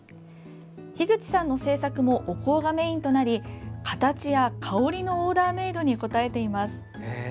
樋口さんの製作もお香がメインとなり形や香りのオーダーメードに応えています。